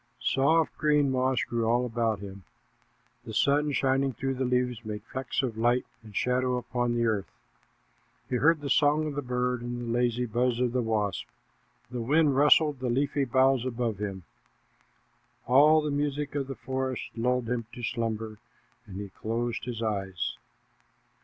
Soft, green moss grew all about him. The sun shining through the leaves made flecks of light and shadow upon the earth. He heard the song of the bird and the lazy buzz of the wasp. The wind rustled the leafy boughs above him. All the music of the forest lulled him to slumber, and he closed his eyes.